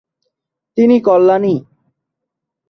তিনি কল্যাণী।